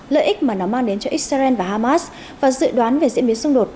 lợi ích mà nó mang đến cho israel và hamas và dự đoán về diễn biến xung đột